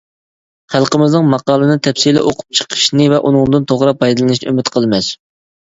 خەلقىمىزنىڭ ماقالىنى تەپسىلىي ئوقۇپ چىقىشنى ۋە ئۇنىڭدىن توغرا پايدىلىنىشىنى ئۈمىد قىلىمىز.